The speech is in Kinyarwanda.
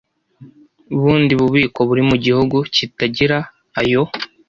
bundi bubiko buri mu gihugu kitagira ayo